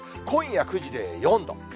今夜９時で４度。